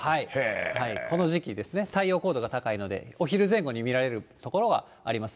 この時期、太陽高度が高いので、お昼前後に見られる所はありますね。